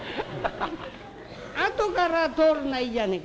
「あとから通るのはいいじゃねえか。